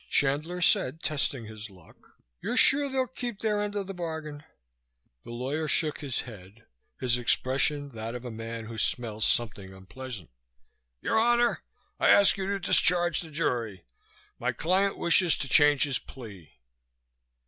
Chandler said, testing his luck: "You're sure they'll keep their end of the bargain?" The lawyer shook his head, his expression that of a man who smells something unpleasant. "Your honor! I ask you to discharge the jury. My client wishes to change his plea."